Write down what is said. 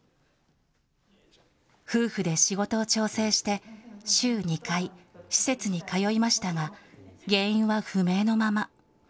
夫婦で仕事を調整して、週２回、施設に通いましたが、原因は不明のまま。